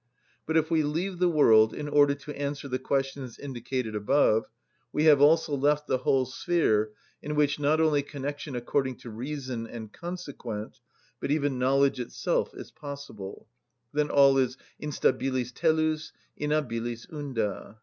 But if we leave the world in order to answer the questions indicated above, we have also left the whole sphere in which, not only connection according to reason and consequent, but even knowledge itself is possible; then all is instabilis tellus, innabilis unda.